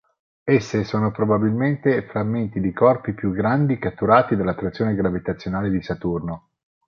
Esse sono probabilmente frammenti di corpi più grandi catturati dall'attrazione gravitazionale di Saturno.